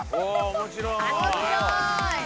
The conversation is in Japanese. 面白い。